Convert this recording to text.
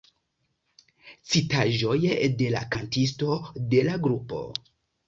Citaĵoj de la kantisto de la grupo.